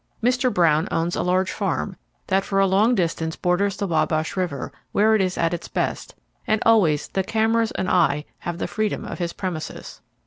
Mr. Brown owns a large farm, that for a long distance borders the Wabash River where it is at its best, and always the cameras and I have the freedom of his premises.